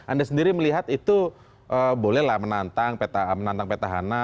anda sendiri melihat itu bolehlah menantang peta hana